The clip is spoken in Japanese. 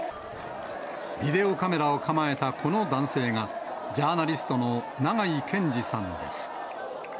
ビデオカメラを構えたこの男性が、ジャーナリストの長井健司さんです。